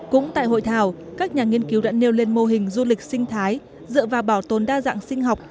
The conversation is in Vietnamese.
cũng tại hội thảo các nhà nghiên cứu đã nêu lên mô hình du lịch sinh thái dựa vào bảo tồn đa dạng sinh học